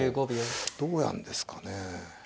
どうやんですかね。